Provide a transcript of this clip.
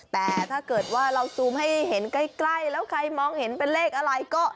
แต่ถ้าเกิดว่าเราซูมให้เห็นใกล้แล้วใครมองเห็นเป็นเลขอะไรก็